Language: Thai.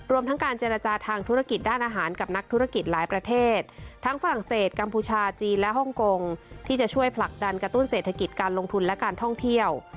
รวมทั้งการเจรจาทางธุรกิจด้านอาหารกับนักธุรกิจหลายประเทศทั้งฝรั่งเศสกัมพูชาจีนและฮ่องกงที่จะช่วยผลักดันกระตุ้นเศรษฐกิจการลงทุนและการท่องเที่ยว